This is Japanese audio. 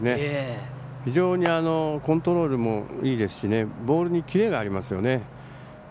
非常にコントロールもいいですしボールにキレがありますよね。